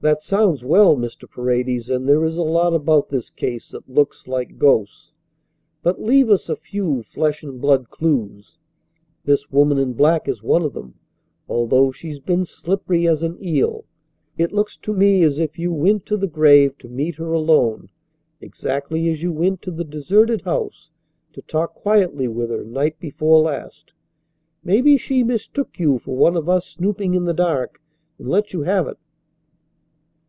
"That sounds well, Mr. Paredes, and there is a lot about this case that looks like ghosts, but leave us a few flesh and blood clues. This woman in black is one of them, although she's been slippery as an eel. It looks to me as if you went to the grave to meet her alone exactly as you went to the deserted house to talk quietly with her night before last. Maybe she mistook you for one of us snooping in the dark, and let you have it."